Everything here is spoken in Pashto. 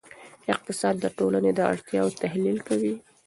اقتصاد د ټولنې د اړتیاوو تحلیل کوي.